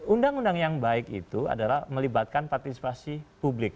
undang undang yang baik itu adalah melibatkan partisipasi publik